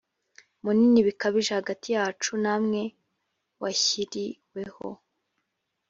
munini bikabije hagati yacu namwe washyiriweho